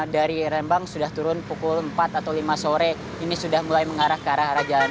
dari rembang sudah turun pukul empat atau lima sore ini sudah mulai mengarah ke arah arah jalan